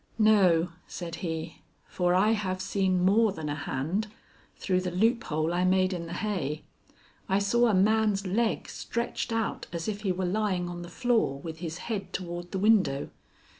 "No," said he, "for I have seen more than a hand, through the loophole I made in the hay. I saw a man's leg stretched out as if he were lying on the floor with his head toward the window.